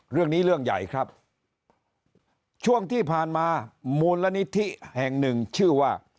เรื่องใหญ่ครับช่วงที่ผ่านมามูลนิธิแห่งหนึ่งชื่อว่า